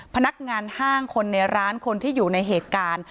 พนักงานห้างคนในร้านคนที่อยู่ในเหตุการณ์